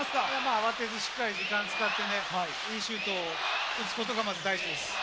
慌てずしっかり時間使ってね、いいシュートを打つことが、まず第一です。